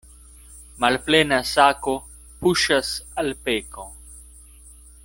Malplena sako puŝas al peko.